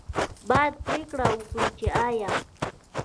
باید پرېکړه وکړي چې آیا